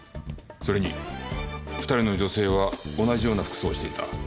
それに２人の女性は同じような服装をしていた。